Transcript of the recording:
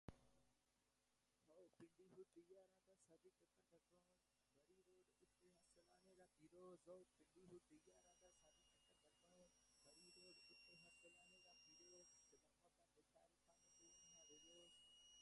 Owen, Jonathan L. Avant-garde to new wave: Czechoslovak cinema, surrealism and the sixties.